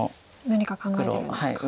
何か考えてるんですか。